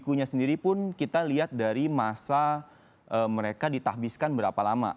dan bikunya sendiri pun kita lihat dari masa mereka ditahbiskan berapa lama